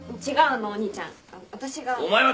違うのお兄ちゃん。